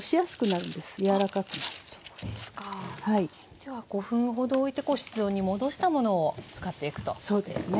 では５分ほど置いて室温に戻したものを使っていくということですね。